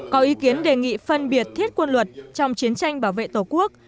có ý kiến đề nghị phân biệt thiết quân luật trong chiến tranh bảo vệ tổ quốc